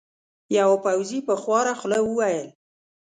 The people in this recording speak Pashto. یوه پوځي په خواره خوله وویل.